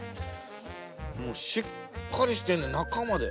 もうしっかりしてんねん中まで。